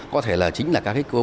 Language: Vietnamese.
có thể là chính là các cái cơ